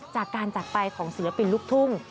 จากการจักรไปของศิลปินลูกทุ่ง